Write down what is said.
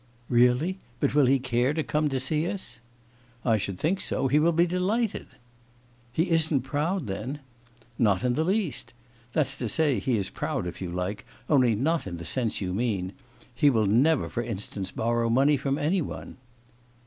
'Really? But will he care to come to see us?' 'I should think so. He will be delighted.' 'He isn't proud, then?' 'Not the least. That's to say, he is proud if you like, only not in the sense you mean. He will never, for instance, borrow money from any one.